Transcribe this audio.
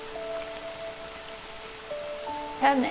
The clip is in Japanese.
じゃあね。